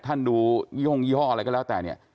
ท่านดูยี่ห้อยี่ห้ออะไรก็แล้วแต่เนี่ย